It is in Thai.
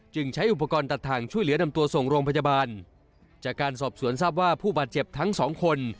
ใช้อุปกรณ์ตัดทางช่วยเหลือนำตัวส่งโรงพยาบาลจากการสอบสวนทราบว่าผู้บาดเจ็บทั้งสองคน